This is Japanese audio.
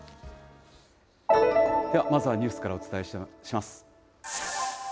ではまずはニュースからお伝えします。